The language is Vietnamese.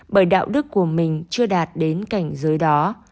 bởi đạo đức của mình chưa đạt đến cảnh giới đó